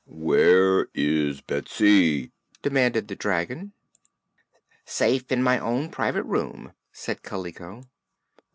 "Where is Betsy?" demanded the dragon. "Safe in my own private room," said Kaliko.